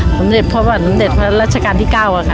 ลำเด็ดพระราชการที่เก้า